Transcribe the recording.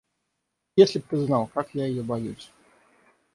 Если б ты знал, как я ее боюсь.